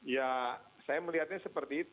ya saya melihatnya seperti itu